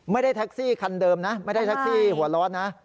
ไม่ได้แท็กซี่คันเดิมนะไม่ได้แท็กซี่หัวร้อนนะ